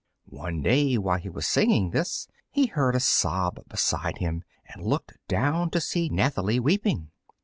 One day, while he was singing this, he heard a sob beside him, and looked down to see Nathalie weeping.